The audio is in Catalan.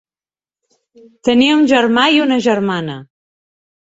Tenia un germà i una germana.